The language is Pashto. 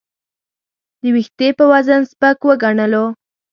د وېښتې په وزن سپک وګڼلو.